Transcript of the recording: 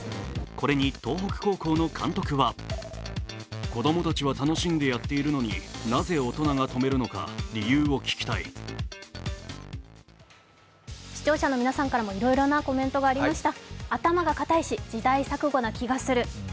これに東北高校の監督は視聴者の皆さんからもいろいろなコメントがありました。